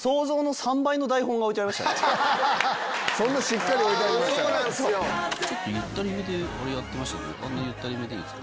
そんなしっかり置いてありましたか。